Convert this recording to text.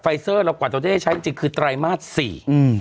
เซอร์เรากว่าเราจะได้ใช้จริงจริงคือไตรมาสสี่อืม